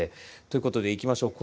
ということでいきましょう。